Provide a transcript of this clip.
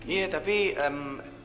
iya tapi emm